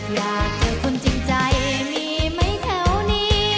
อยากเจอคนจริงใจมีไหมแถวนี้